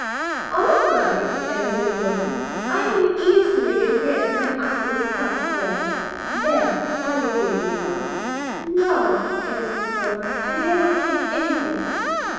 "All right," answered the woman; "I can easily get rid of my apples elsewhere. There, I will give you one." "No," answered Snow white, "I dare not take anything."